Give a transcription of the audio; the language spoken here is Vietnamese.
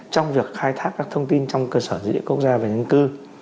trong việc khai thác các thông tin trong cơ sở dữ liệu quốc gia về dân cư